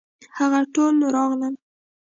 هغه ټول راغلل.